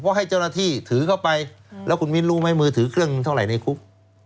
เพราะให้เจ้าหน้าที่ถือเข้าไปแล้วคุณมิ้นรู้ไหมมือถือเครื่องหนึ่งเท่าไหร่ในคุก